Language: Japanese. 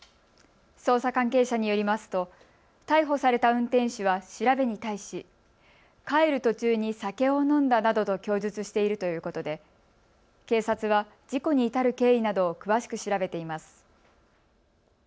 捜査関係者によりますと逮捕された運転手は調べに対し帰る途中に酒を飲んだなどと供述しているということで警察は事故に至る経緯などを詳しく調べています。